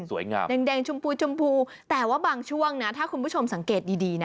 แดงชมพูชมพูแต่ว่าบางช่วงนะถ้าคุณผู้ชมสังเกตดีดีนะ